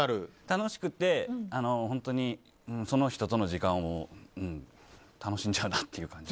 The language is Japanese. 楽しくて、本当にその人との時間を楽しんじゃうなって感じ。